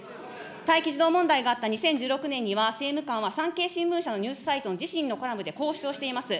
待機児童問題があった２０１６年には、政務官は産経新聞社のニュースサイトの自身のコラムでこう主張しています。